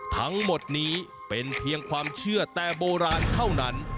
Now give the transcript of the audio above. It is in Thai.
ทั้งหมดนี้เป็นเพียงความเชื่อแต่โบราณเท่านั้น